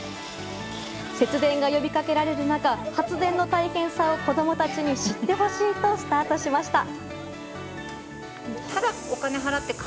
節電が呼び掛けられる中発電の大変さを子供たちに知ってほしいとスタートしました。